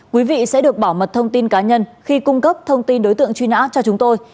quý vị sẽ được bảo mật thông tin cá nhân khi cung cấp thông tin đối tượng truy nã cho chúng tôi